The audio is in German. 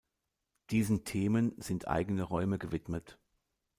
Diesen Themen sind eigene Räume gewidmet.